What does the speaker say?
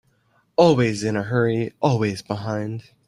Always in a hurry, always behind.